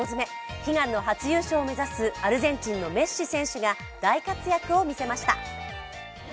悲願の初優勝を目指すアルゼンチンのメッシ選手が大活躍を見せました。